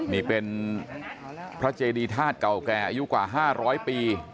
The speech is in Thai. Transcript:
นี่เป็นพระเจดีธาตุเก่าแก่อายุกว่า๕๐๐ปี